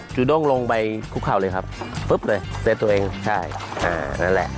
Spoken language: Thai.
จุดลงลงไปคุบเข่าเลยครับปุ๊บเลยเตรียมตัวเองใช่นั่นแหละ